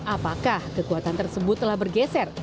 apakah kekuatan tersebut telah bergeser